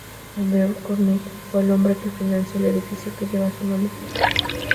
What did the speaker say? Andrew Carnegie fue el hombre que financió el edificio que lleva su nombre.